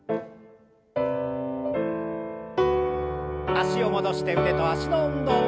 脚を戻して腕と脚の運動。